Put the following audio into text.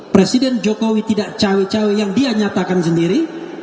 presiden jokowi tidak cawe cawe yang dia nyatakan sendiri